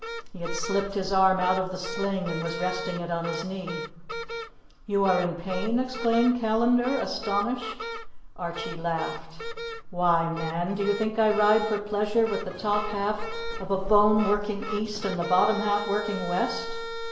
He had slipped his arm out of the sling and was resting it on his knee. "You are in pain?" exclaimed Callandar, astonished. Archie laughed. "Why, man, do you think I ride for pleasure with the top half of a bone working east and the bottom half working west?"